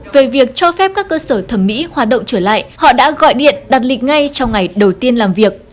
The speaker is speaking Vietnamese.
về việc cho phép các cơ sở thẩm mỹ hoạt động trở lại họ đã gọi điện đặt lịch ngay trong ngày đầu tiên làm việc